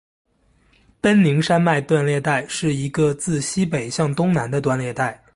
奔宁山脉断裂带是一个自西北向东南的断裂带。